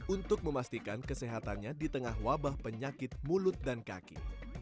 untuk memastikan kesehatannya di tengah wabah penyakit mulut dan kaki